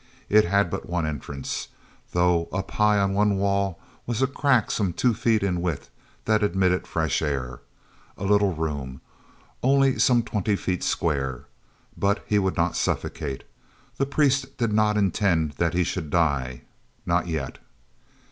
It had but one entrance, though up high on one wall was a crack some two feet in width that admitted fresh air. A little room, only some twenty feet square; but he would not suffocate—the priests did not intend that he should die—not yet.